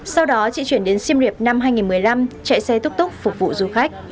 sau đó chị chuyển đến siêm riệp năm hai nghìn một mươi năm chạy xe túc túc phục vụ du khách